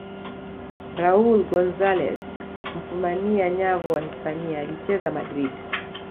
raul gonzalez mfumania nyavu wa hispania alicheza madrid